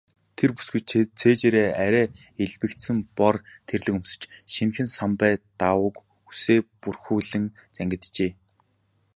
Тэр бүсгүй цээжээрээ арай элбэгдсэн бор тэрлэг өмсөж, шинэхэн самбай даавууг үсээ бүрхүүлэн зангиджээ.